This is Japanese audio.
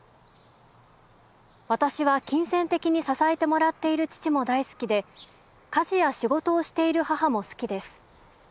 私は金銭的に支えてもらっている父も大好きで家事や仕事をしている母も好きです。